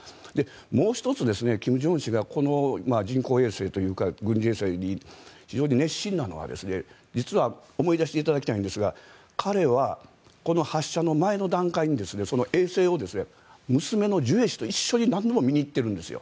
もう１つ、金正恩氏がこの人工衛星というか軍事衛星に非常に熱心なのは実は思い出していただきたいんですが彼はこの発射の前の段階に衛星を娘のジュエ氏と一緒に何度も見に行っているんですよ。